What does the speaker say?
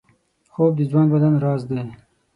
خوب د ځوان بدن راز دی